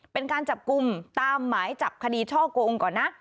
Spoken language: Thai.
เป็นการจับกลุ่มตามหมายจับคดีช่อกลง